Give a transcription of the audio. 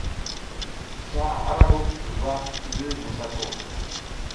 Sla ara huf guva ngi mosako.